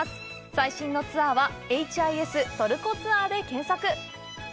最新のツアーは「ＨＩＳトルコツアー」で検索！